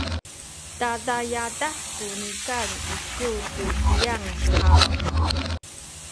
tada yadah ku nikan isu tu piyang haw?